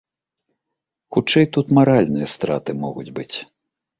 Хутчэй, тут маральныя страты могуць быць.